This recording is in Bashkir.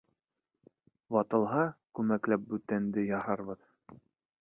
Ватылһа, күмәкләп бүтәнде яһарбыҙ...